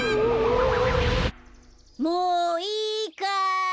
もういいかい。